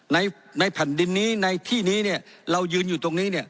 ในในแผ่นดินนี้ในที่นี้เนี่ยเรายืนอยู่ตรงนี้เนี่ย